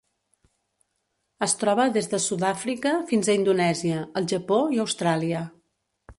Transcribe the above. Es troba des de Sud-àfrica fins a Indonèsia, el Japó i Austràlia.